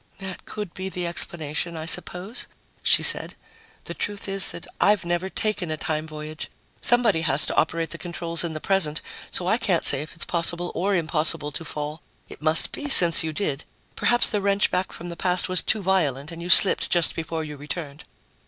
"That could be the explanation, I suppose," she said. "The truth is that I've never taken a time voyage somebody has to operate the controls in the present so I can't say it's possible or impossible to fall. It must be, since you did. Perhaps the wrench back from the past was too violent and you slipped just before you returned."